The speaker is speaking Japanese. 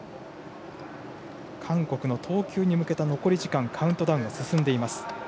韓国の投球に向けた残り時間カウントダウンは進みます。